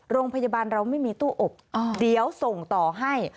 โรงพยาบาลเราไม่มีตู้อบเดี๋ยวส่งต่อให้